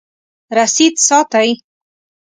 رسید ساتئ؟